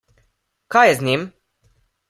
Kaj je z njim?